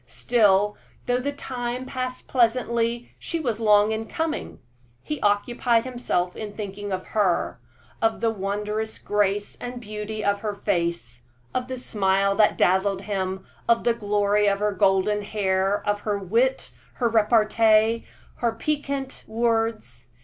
Still, though the time passed pleasantly, she was long in coming. He occupied himself in thinking of her of the wondrous grace and beauty of her face, of the smile that dazzled him, of the glory of her golden hair, of her wit, her repartee, her piquant words.